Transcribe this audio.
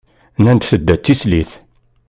Nnan-d tedda d tislit.